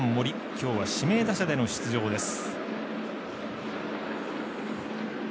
今日は指名打者での出場です。